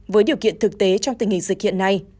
với điều kiện thực tế trong tình hình dịch hiện nay